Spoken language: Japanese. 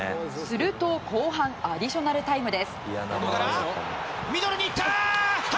すると後半アディショナルタイム。